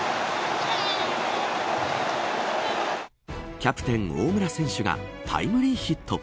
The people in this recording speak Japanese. キャプテン大村選手がタイムリーヒット。